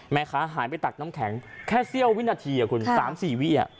แม่ค้าหายไปตัดน้ำแข็งแค่เสี่ยววินาทีครับคุณ๓๔วินาที